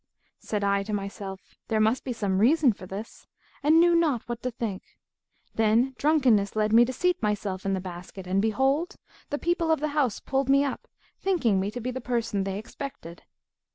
Said I to myself, 'There must be some reason for this,' and knew not what to think; then drunkenness led me to seat myself in the basket, and behold, the people of the house pulled me up, thinking me to be the person they expected.